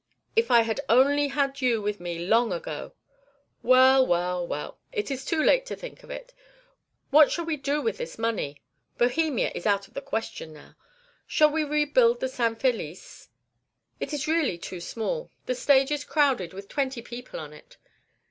If I had only had you with me long ago! Well! well! well! it is too late to think of it. What shall we do with this money? Bohemia is out of the question now. Shall we rebuild the San Felice? It is really too small; the stage is crowded with twenty people on it.